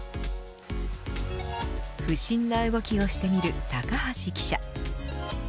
不審な動きをしてみる高橋記者。